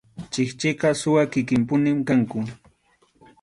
Chikchiqa suwa kikinpunim kanku.